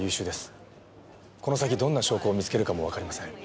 この先どんな証拠を見つけるかもわかりません。